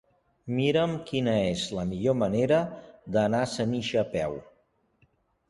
Mira'm quina és la millor manera d'anar a Senija a peu.